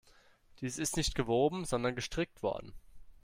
Dies ist nicht gewoben, sondern gestrickt worden.